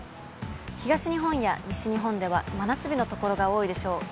東日本や西日本では真夏日の所が多いでしょう。